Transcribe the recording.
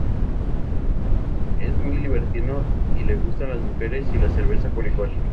Es muy libertino, y le gustan las mujeres y la cerveza por igual.